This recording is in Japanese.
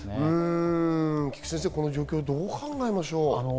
菊地先生、この状況をどう考えましょう？